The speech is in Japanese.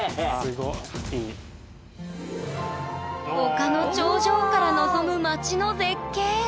丘の頂上から望む街の絶景。